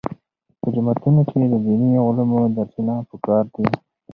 په جوماتونو کې د دیني علومو درسونه پکار دي.